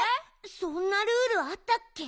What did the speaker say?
そんなルールあったっけ？